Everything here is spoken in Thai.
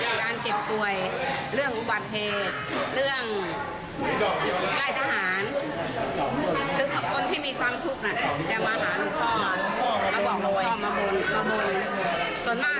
ส่วนมากที่บนใช้บนเรื่องการช่องมวยค่ะ